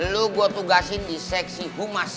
lu gue tugasin di seksi humas